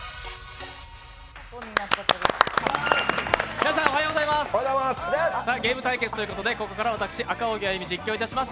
皆さん、おはようございますゲーム対決ということで、ここから私、赤荻歩が実況いたします。